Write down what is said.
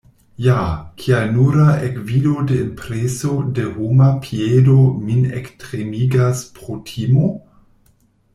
Ja, kial nura ekvido de impreso de homa piedo min ektremigas pro timo?